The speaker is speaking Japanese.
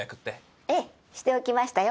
ええしておきましたよ。